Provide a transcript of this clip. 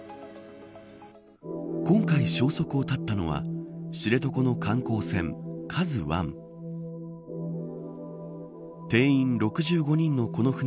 今回消息を絶ったのは知床の観光船